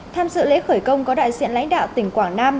tham dự lễ khởi công có đại diện lãnh đạo tỉnh quảng nam